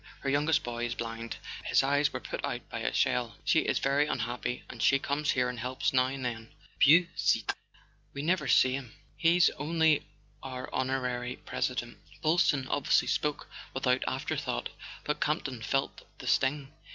Her youngest boy is blind: his eyes were put out by a shell. She is very unhappy, and she comes here and helps now and then. Beausite ? Oh no, we never see him. He's only our Honorary President." Boylston, obviously spoke without afterthought; but Campton felt the sting.